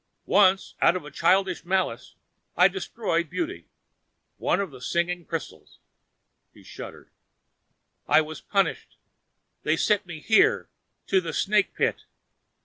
Once, out of a childish malice, I destroyed beauty. One of the singing crystals." He shuddered. "I was punished. They sent me here to the snake pit.